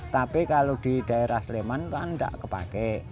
tapi kalau di daerah sleman kan tidak kepake